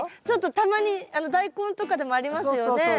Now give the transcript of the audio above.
ちょっとたまにダイコンとかでもありますよね。